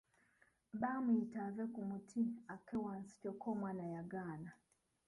Baamuyita ave ku muti akke wansi kyokka omwana yagaana.